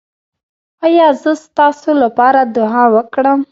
ایا زه ستاسو لپاره دعا وکړم؟